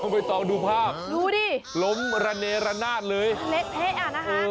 ไม่ต้องดูภาพล้มระเนระนาดเลยดูดิเล็กเท่าะนะฮะ